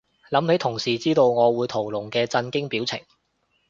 諗起同事知道我會屠龍嘅震驚表情